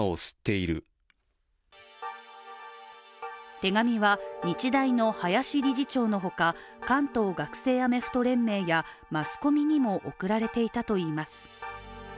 手紙は日大の林理事長のほか関東学生アメフト連盟やマスコミにも送られていたといいます。